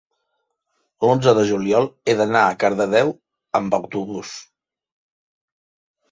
l'onze de juliol he d'anar a Cardedeu amb autobús.